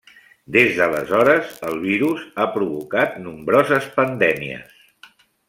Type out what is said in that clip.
Des d'aleshores, el virus ha provocat nombroses pandèmies.